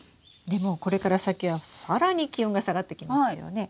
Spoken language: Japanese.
でもこれから先は更に気温が下がってきますよね。